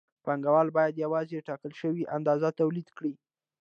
پانګوال باید یوازې ټاکل شوې اندازه تولید کړي